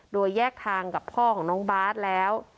โดยแยกทางกับพ่อของน้องบาทแล้ว